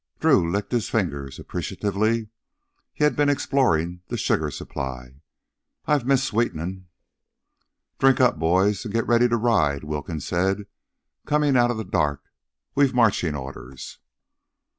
Drew licked his fingers appreciatively. He had been exploring the sugar supply. "I've missed sweetenin'." "Drink up, boys, and get ready to ride," Wilkins said, coming out of the dark. "We've marchin' orders."